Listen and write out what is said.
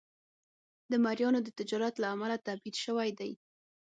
د مریانو د تجارت له امله تبعید شوی دی.